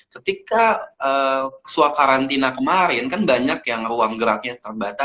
ketika suap karantina kemarin kan banyak yang ruang geraknya terbatas